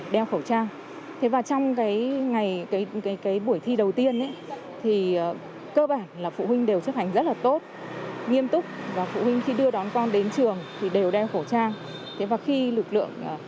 đưa vào khu cách ly